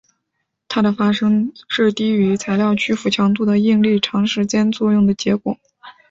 它的发生是低于材料屈服强度的应力长时间作用的结果。